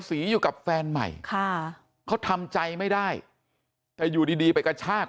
สีอยู่กับแฟนใหม่ค่ะเขาทำใจไม่ได้แต่อยู่ดีดีไปกระชาก